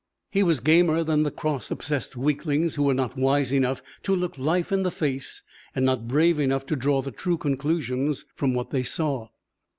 He was gamer than the Cross obsessed weaklings who were not wise enough to look life in the face and not brave enough to draw the true conclusions from what they saw.